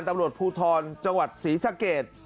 ตำรวจภูทรจังหวัดศรีสะเกด